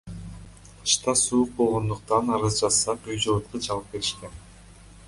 Кышта суук болгондуктан, арыз жазсак, үй жылыткыч алып беришкен.